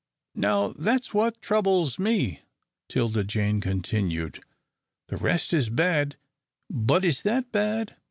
"Now that's what troubles me," 'Tilda Jane continued. "The rest is bad, but is that bad?